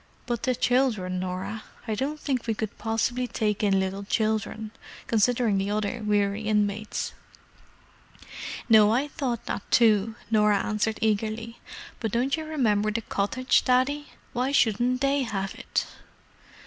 "But the children, Norah? I don't think we could possibly take in little children, considering the other weary inmates." "No, I thought that too," Norah answered eagerly. "But don't you remember the cottage, Daddy? Why shouldn't they have it?"